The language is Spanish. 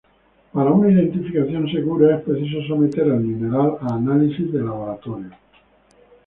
Para una identificación segura es preciso someter el mineral a análisis de laboratorio.